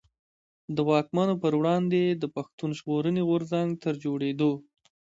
د واکمنو پر وړاندي يې د پښتون ژغورني غورځنګ تر جوړېدو.